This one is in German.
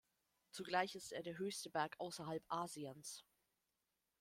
Zugleich ist er der höchste Berg außerhalb Asiens.